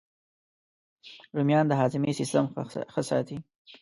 رومیان د هاضمې سیسټم ښه ساتي